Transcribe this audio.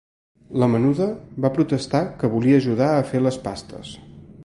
La menuda va protestar que volia ajudar a fer les pastes.